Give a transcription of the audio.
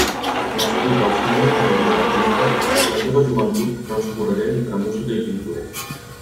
Nascut al si d'una família d'artistes, la seva joventut transcorregué entre música i pintura.